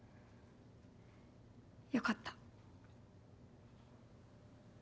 よかった。